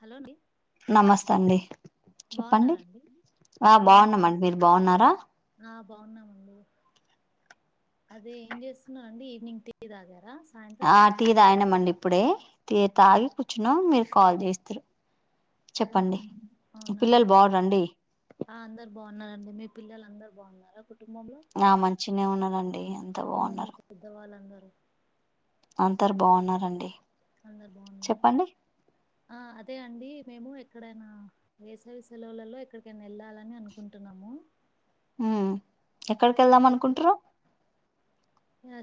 Hello అండి నమస్తే అండి చెప్పండి బాగున్నారండి ఆ బాగున్నాను బాగున్నామండి మీరు బాగున్నారా ఆ బాగున్నామండి అదే ఏం చేస్తున్నాం అండి ఈవినింగ్ టీ తాగారా సాయంత్రం ఆ టీ తాగినాండి ఇప్పుడే తి తాగి కూర్చున్నా మీరు కాల్ చేస్తురు ఆ అవునా ఆ అందరు బాగున్నారండి మీ పిల్లలు అందరు బాగున్నార ఆ మంచినే ఉన్నారండి అంత కుటుంబంలో బావున్నరు పెద్దవాళ్ళందరూ అందరు బాగున్నారండి అందరు బాగున్నారా చెప్పండి ఆ అదే అండి మేము ఎక్కడైనా వేసవి సెలవులలో ఎక్కడికైనా ఎళ్ళాలని అనుకుంటున్నాము హుమ్ ఎక్కడికి ఎళ్దాం అదే అనుకుంటుర్రు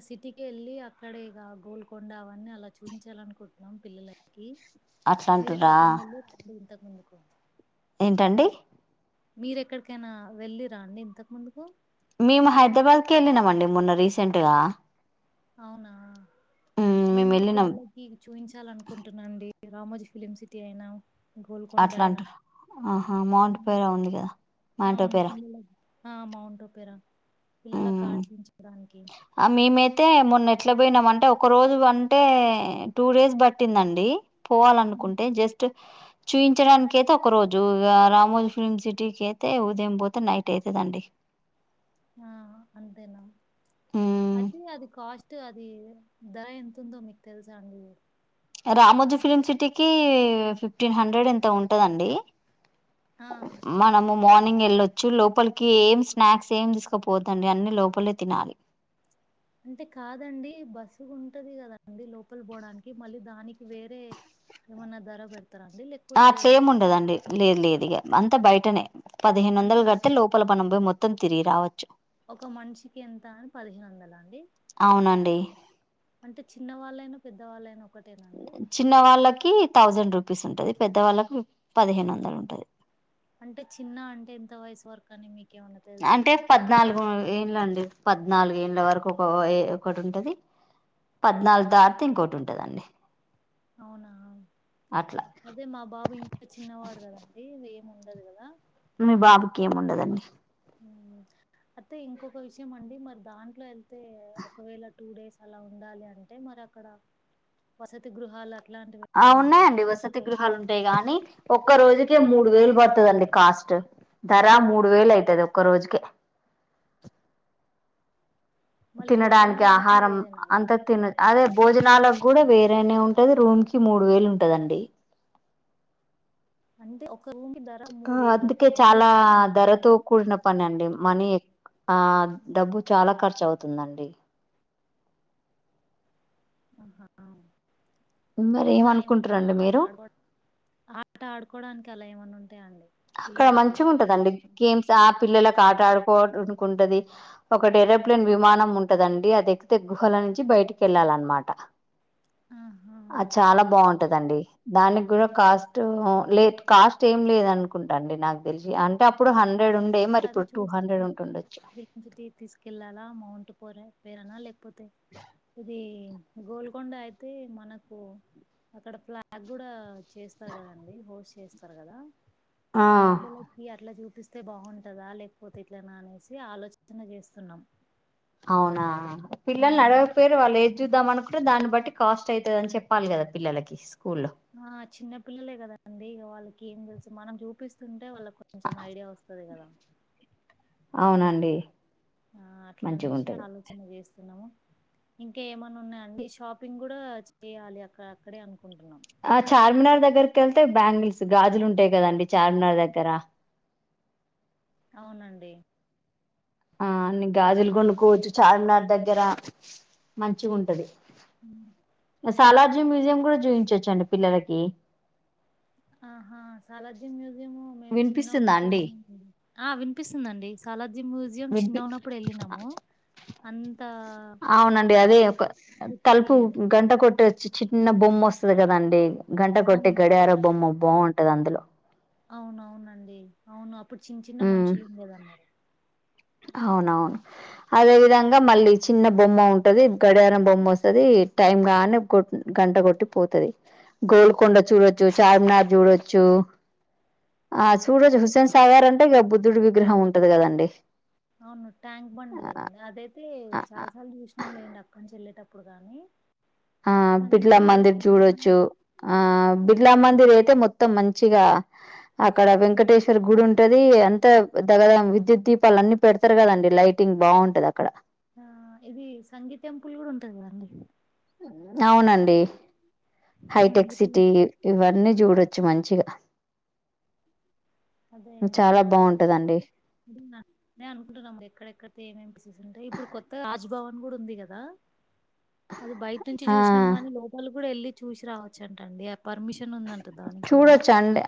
సిటీకి ఎళ్ళి అక్కడే ఇగ గోల్కొండ అవన్నీ అలా చూపంచాలనుకుంటున్నాం పిల్లలకి అట్లా మీరె అంటుర్రా ఎక్కడికైన ఎల్లిరా ఇంతకు ముందు ఏంటండి మీరె ఎక్కడికైనా వెళ్ళిరండి ఇంతకు ముందు మేము హైదరాబాద్కి ఎళ్ళినమండి మొన్న రీసెంట్గా అవునా నేను మేము కుడా వెళ్ళినాం పిల్లలకి చూయించాలనుకుంటున్నా అండి రామోజీ ఫిలిమ్ సిటీ అయినా 'గోల్కొండ' అయినా. అట్లాంటరా ఆహా మాంట్ హ్మ్. పేర ఉంది కదా మాంట అవును. పేర పిల్లలకి ఆ మౌంటు పేరా పిల్లలకు ఉమ్ ఆడిపించడానికి ఆ మేమైతే మొన్న ఎట్ల పోయినాం అంటే ఒక రోజు అంటే టూ డేస్ పట్టిందండి హ్మ్. పోవాలనుకుంటే జస్ట్ చూయించడానికి అయితే ఒక రోజు ఇగ రామోజీ ఫిలిమ్ సిటీకి అయితే ఉదయం పోతే నైట్ అయితది అండి ఆ అంతేనా మ్మ్ అదే అది కాస్ట్ అది ధర ఎంతుందో మీకు తెలుసా అండి రామజి ఫిలిమ్ సిటీకి ఫిఫ్టీన్ హండ్రెడ్ ఎంత ఉంటదండి ఆ! మనమూ మార్నింగ్ వెళ్ళొచ్చు లోపలికి ఏం స్నాక్స్ ఏం తీసుకపోద్దండి అన్ని లోపలే తినాలి అంటే కాదండి బస్సు ఉంటది కదండి లోపల పోవడానికి మళ్ళీ దానికి వేరే ఏమన్నా ధర పెడుత ఆ అట్లేం ఉండదండి లేదు లేదు ఇగ అంతా బయటనే పదిహేను అంటే వందల గట్టి లోపల మనం పోయి మొత్తం మొత్తం తిరిగి రావచ్చు ఒక మనిషికి ఎంత అని పదిహేను వందల అండి అవునండి అంటే చిన్నవాళ్ళయినా పెద్దవాళ్ళైనా ఒకటేనండి? చిన్న వాళ్ళకి థౌజండ్ రూపీ స్ ఉంటది పెద్ద వాళ్ళకి పదిహేను వందలు ఉంటది అంటే చిన్న అంటే ఎంత వయసు వరకు అని మీకు అంటే పద్నాలుగు ఏంలండి పద్నాలుగు ఏళ్ళ వరకు ఒక ఒకటి ఉంటది పద్నాలుగు దాటితే ఇంకోటి ఉంటదండి అవునా అట్లా అదే మా బాబు ఇంకా చిన్నవాడు కదండి ముండదుగదా మీ బాబుకి ఏముండదండి ఉమ్ అయితే ఇంకొక విషయం అండి మరి దాంట్లో వెళ్తే ఒకవేళ టూ డేస్ అలా ఉండాలి అంటే మరి అక్కడ వసతి గృహాలు ఆ అట్లాంటివేమన్నా ఉన్నాయండి ఉంటాయండి? వసతి గృహాలు ఉంటాయి గానీ ఒక్క రోజుకే మూడు వేలు పడుతదండి కాస్ట్ ధర మూడు వేలు అయితది ఒక్క రోజుకే మళ్ళీ తినడానికి భోజనాలన్నీ ఆహారం వేరేనా అండి? అంతా తిన అదే భోజనాలకు కూడా వేరేనే ఉంటది రూమ్ కి మూడు వేలు ఉంటదండి అంటే ఓ ఆ అందుకే చాలా రూమ్‌కి ధరతో మాత్రమే. కూడిన పని అండి మనీ ఆ డబ్బు చాలా ఖర్చు అవుతుందండి ఆహా మరి ఇంకా ఏమన్నా ఏమనుకుంటారండి ఆట మీరు ఆడుకో ఆట ఆడుకోడానికి అలా ఏమన్నా ఉంటాయా అండి అక్కడ పిల్లలకి? మంచిగ ఉంటదండి గేమ్స్ యాప్ పిల్లలకు ఆట ఆడుకోవడానికికుంటది ఒకటి ఏరోప్లేన్ విమానం ఉంటదండి అది ఎక్కుతే గుహల నుంచి బయటికి వెళ్ళాల అన్నమాట ఆహా! ఆ చాలా బాగుంటా ఉంటదండి దానికి కూడా కాస్ట్ కాస్ట్ ఏం లేద కుంటం నాకు తెలిసి అంటే అప్పుడుం అదే చూసి తీసుకెళ్ళాలా మౌంట్ పోరే పేరున్న లేకపోతే ఏది గోల్కొండ అయితే మనకు అక్కడ ఫ్లాగ్ కూడా చేస్తారు కదండి హోస్ట్ చేస్తారు కదా ఆ పిల్లలకి అట్లా చూపి స్తే బాగుంటది ఉంటదా లేకపోతే ఇట్లనా అనేసి ఆలోచన చేస్తున్నాం అవునా పిల్లలని హ్మ్. అడగకపోయిర్ర వాళ్ళు ఏది చూద్దాం అను అ దాన్ని బట్టి కాస్ట్ అయితదని చెప్పాలి కదా పిల్లలకి స్కూల్లో ఆ చిన్నపిల్లలే కదండి ఇక వాళ్ళకి ఏం తెలుసు మనం చూపిస్తుంటే. వాళ్ళకి కొంచెం ఐడియా వస్తది. కదా అవునండి ఆ అట్లా మంచిగా అనేసి ఉంటది ఆలోచన చేస్త స్తున్నం. ఇంకా ఏమన్నా ఉన్నాయాండి షాపింగ్ కూడా చేయాలి. అక్క అక్కడే అనుకుంటున్నం. ఆ చార్మినార్ దగ్గరకి వెళ్తే బ్యాంగిల్స్ గాజులు ఉంటాయి. కదండి చార్మినార్ దగ్గర అవునండి. ఆ అన్ని గాజులు కొను కోవచ్చు చార్మినార్ దగ్గర మంచిగా ఉంటది. హ్ సలర్జియం మ్యూజియం కూడా చూయించచ్చు అండి. పిల్లలకి ఆహా సాలార్జ్యం మ్యూ జియం మేం వినిపిస్తుందా చినగున్నపుడు అండి ఎల్లినము మేడం. వినిపిస్తుందాండి సాలార్జంగ్ మ్యూజియం వినిపి చిన్నగా ఉన్నప్పుడు ఏళ్ళినాము అంత అవునండి అదే ఒక గుర్తుకు తలుపు లేదు. గంట కొట్టే చిన్న బొమ్మ ఆస్తది కదండి. ఘంట కొట్ట అవును. గడియారాం బోమ్మ బాగుంటది. అందులో అవునవునండి అవును అప్ ఇప్పుడు చిన్న చిన్న ఉమ్ మనుషులు ఉండేది అన్నారు. అవునవును. అదే విధంగా మళ్ళీ చిన్న బొమ్మ ఉంటది. గడియారం బొమ్మ వస్తది టైం గాన్నే గంట కొట్టి పోతది గోల్కొండ చూడొచ్చు. చార్మినార్ చూడొచ్చు ఆ చూడోచ్చు హ్మ్. హుసేన్ సాగర్ అన్ ఇగా బుద్ధుడు విగ్రహం ఉంటది. కదండి అవును ట్యాంక్ బండ్ ఆ కదండి. అదైతే ఆ చాలా సార్లు చూసినం. లేండి అక్కడి నుంచి వెల్లేేటప్పుడు ఇప్పుడు కానీ ఆ బిర్లా మందిర్ చూడొచ్చు ఆ బిడ్ బిర్లా మందిర్ అయితే మొత్తం మంచిగా అక్కడ వెంకటేశ్వర్ గుడి ఉంటది. అంతా దగ్దగ విద్యుత్ దీపాలు అన్ని పెడతారు కదండి లైటింగ్ బాగుంటది. అక్కడ ఆ ఇది సంగీ టెంపుల్ కూడా ఉంటది. కదండి అవునండి. సంగీ హైటెక్ టెం సిటీ. ఇవన్నీ చూడొచ్చు మం శివ అదే ఇప్పుడు నేను అనుకుంటున్నా. ఎక్కడెక్కడితే ఏమేమి ప్లేసెస్ ఉంటాయి. ఇప్పుడు కొత్తగా రాజ్ భవన్. గూడ ఉంది గాదా. అది బయట నుంచి ఆ చూసినాం గానీ, లోపల కూడా ఏళ్ళి చూసి రావచ్చు అంటండి. పర్మిషన్ ఉందంట దానికి కూడా చూడొచ్చా అండి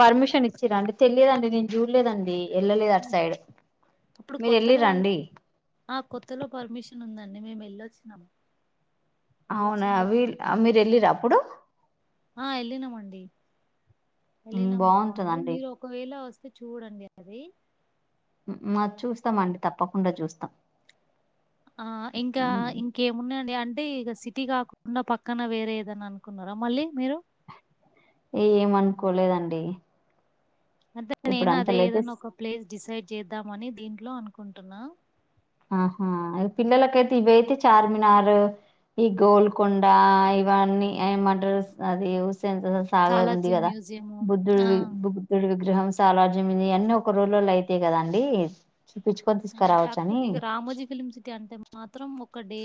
పర్మిషన్ ఇచ్చిరాండి. తెలియదండి. నేను చూడలేదండి. వెళ్ళలేదు అటు సైడ్ అప్పుడు మీరు కొత్తలో, వెళ్ళిరండి ఆ కొత్తలో పర్మిషన్ ఉందండి. మేము ఏళ్ళి వోచ్చినాము. అవునా మీ మీరు వెళ్ళిరా అప్పుడు ఆ ఎళ్లినామండి ఉమ్, వెళ్ళినాం బాగుంది బాగుంటదండి మీరు ఒకవేళ వ చూడండి అది మ చూస్తామ అండి తప్పకుండా చూస్తాం ఆ ఇంకా ఉమ్, ఇంకేమున్నాయండి అంటే ఇక సిటీ కాకుండా పక్కన వేరే ఏదని అనుకున్నారా మళ్ళీ మీరు ఏమనుకోలేదండి అదే ఇప్పుడు నేను అదే అంతలైతే ఏదనా ఒక ప్లేస్ డిసైడ్ చేద్దామని దీంట్లో అనుకుంటున్నా ఆహా పిల్లలకైతే ఇవయితే చార్మినార్ ఈ గోల్కొండ ఇవన్నీ ఏమంటారు అది ఎంత సాగర్ ఉంది సాలార్జంగ్ కదా మ్యూజియము. బుద్ధుడు ఆ! బుద్ధుడు గృహంస్లజ్యం అన్ని ఒక రోజులో అయితాయి కదాండి చూపించుకొని ఆ! తీసుకురావచ్చ అని కాకపోతే ఇక రామోజీ ఫిలిమ్ సిటీ అంటే మాత్రం ఒక కడే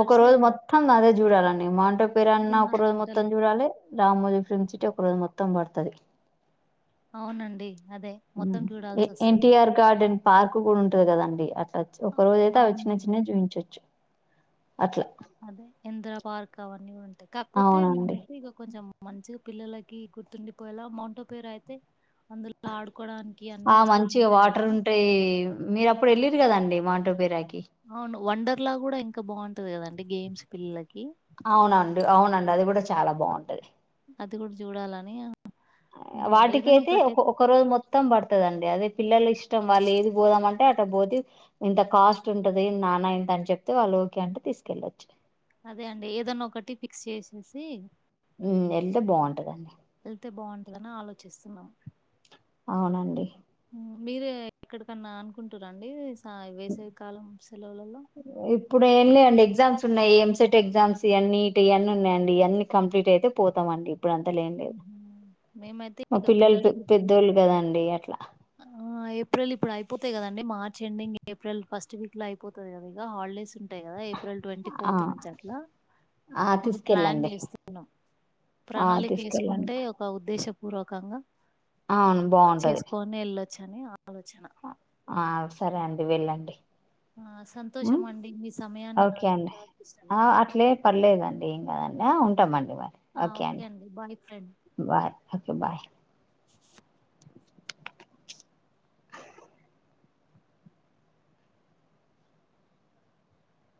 ఒక రోజు మొత్తం అదే చూడాలండి మాంటవ పేరన్న ఒక రోజు మొత్తం గంటలు. చూడాలి రామ్మోజీ ఫిల్మ్ సిటి ఒక రోజు మొత్తం పడుతుంది తధి అవునండి. అదే మొత్తం చూడాల్సొస్తది. ఎన్టీటిఆర్ గార్డెన్ పార్క్ కూడా ఉంటది కదం అ! ఒక రోజు అయితే అవి చిన్న అవునవును. చిన్న చూపించవచ్చు అట్లా అదే ఎంద్ర పార్క్ అవన్న ఉ కాక్కుతి అవునండి మేమైతే ఇక కొంచెం మంచిగా పిల్లలకి గుర్తుండిపోయేలా మౌంటో పేరు అయితే అందులో ఆడుకోవడానికి అన్ని ఆ మంచిగా వస్తువులుంటాయి వాటర్ గదా! ఉంటాయి మీరు అప్పుడు వెళ్ళరు కదండి మాటో పేరాకి అవును వండర్లా కూడా ఇంకా బాగుం టుంది కదండి గేమ్స్ పిల్లలకి అవునండి అవునండి అది కూడా చాలా బాగుం ది అది కూడా చూడాలని ఏదైనా వాటికయితే ఒక ఒకటైతే ఒక రోజు మొత్తం పడుతుదండి అదే పిల్లలు ఇష్ ఇష్టం వాళ్ళు ఏది పోదామంటే అటు పోతే ఇంత కాస్ట్ ఉంటది నాన్న ఇంత అని చెప్తే వాళ్ళు ఓకే అంటే తీసుకెళ్ళొచ్చు అదే అండి ఏదన్నా ఒకటి ఫిక్స్ చేసేసి హ్మ్ ఎల్తే బాగుంటదండి. ఎల్తే బాగుంటదని ఆలోచిస్తున్నా. అవునండి. మీరే ఎక్కడికన్నా అనుకుంటురండి. ఆ వేసవి కాలం సెలవులలో ఇప్పుడు ఏం లేండి ఎగ్జామ్స్ ఉన్నాయి. ఎంసెట్ ఎగ్జామ్స్ ఈయన్ని ఇటు ఈయన్ని ఉన్నాయండి. ఈయన్ని కంప్లీట్ అయితే పోతామండి. ఇప్పుడు అంతా లేం లేదు మ్మ్. మేమైతే మా ఇక పిల్లలు పిల్లలకి ఇప్పుడు పెద్దోళ్ళు కదండి అట్లా ఆ ఏప్రిల్ ఇప్పుడు అయిపోతాయి కదండి మార్చ్ ఎండింగ్ ఏప్రిల్ ఫస్ట్ వీక్లో అయిపోతది కదా ఇక హాలిడేస్. టయి కదా ఏప్రిల్ ట్వంటీ ఆ ఫోర్త్ నుంచి అట్లా ఆ ఇంక ప్లాన్ తీసుకెళ్ళండి చేస్తున్నం. ఆ ప్రణాళిక తీసుకెళ్ళండి ఏస్కుంటే ఒక ఉద్దేశం పూర్వకంగా అవును బాగుంటది. ళ్ళొచ్చని ఆ ఆ సరే అండి వెళ్ళండి. ఆ హ్ సంతోషం అండి మీ సమయాన్ని ఓకే నాకు అండి ఇవ్వడానికి ఇష్టం. ఆ అట్లే పర్లేదండి ఏం కదండి ఆ ఉంటమం ఆ ఓకే అండి bye friend. Bye okay bye.